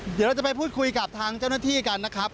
เดี๋ยวเราจะไปพูดคุยกับทางเจ้าหน้าที่กันนะครับ